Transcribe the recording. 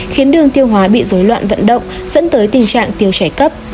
khiến đường tiêu hóa bị dối loạn vận động dẫn tới tình trạng tiêu chảy cấp